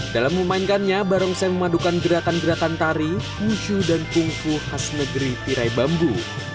dalam memainkannya barongsai memadukan gerakan gerakan tari husyu dan kungfu khas negeri tirai bambu